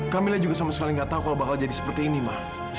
kamila juga sama sekali gak tahu kalau bakal jadi seperti ini ma